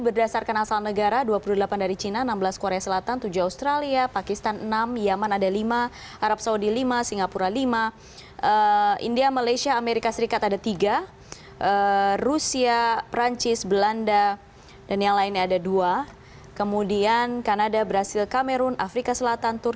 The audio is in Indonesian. beri pengetahuan di kolom komentar